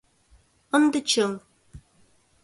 Ынде чыҥ